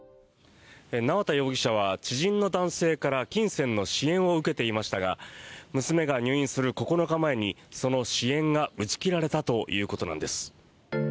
縄田容疑者は知人の男性から金銭の支援を受けていましたが娘が入院する９日前にその支援が打ち切られたということなんです。